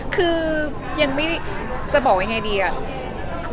คือยังไม่จะบอกไว้ไงดีอะ